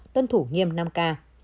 tân thủ nghiêm năm k